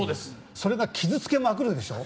それが傷つけまくるでしょう。